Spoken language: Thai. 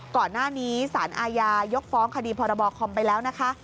ก่อนหน้านี้สารอาญายกฟ้องคดีพรบคอมไปแล้วนะคะ